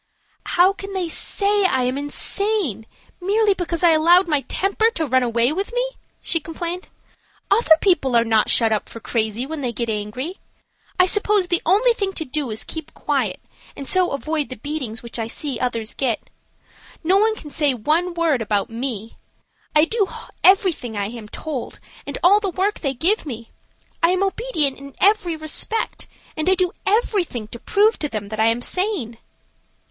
"How can they say I am insane, merely because I allowed my temper to run away with me?" she complained. "Other people are not shut up for crazy when they get angry. I suppose the only thing to do is to keep quiet and so avoid the beatings which I see others get. No one can say one word about me. I do everything I am told, and all the work they give me. I am obedient in every respect, and I do everything to prove to them that I am sane."